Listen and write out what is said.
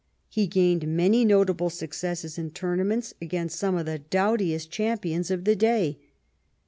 He gained many notable successes in tourna ments against some of the doughtiest champions of the day.